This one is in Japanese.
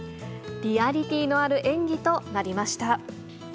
リアリティーのある演技とな